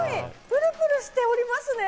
プルプルしておりますね。